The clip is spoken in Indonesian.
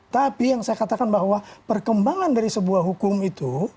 tapi yang saya katakan bahwa perkembangan dari sebuah hukum itu